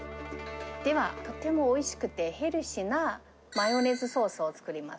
では、とてもおいしくてヘルシーなマヨネーズソースを作ります。